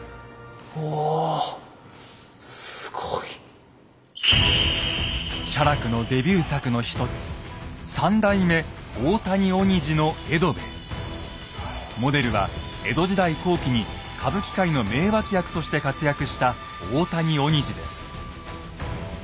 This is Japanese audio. おおすごい！写楽のデビュー作の一つモデルは江戸時代後期に歌舞伎界の名脇役として活躍した大谷鬼次です。